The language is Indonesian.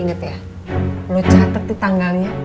inget ya lu catet nih tanggalnya